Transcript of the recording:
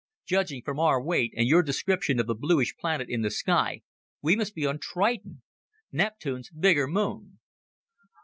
Judging from our weight, and your description of the bluish planet in the sky, we must be on Triton, Neptune's bigger moon."